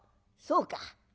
「そうか。